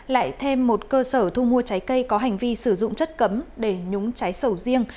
lại thêm một cơ sở thu mua trái cây có hành vi sử dụng chất cấm để nhúng trái sầu riêng